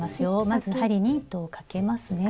まず針に糸をかけますね。